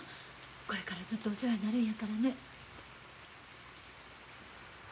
これからずっとお世話になるんやからね。